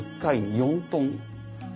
４トン。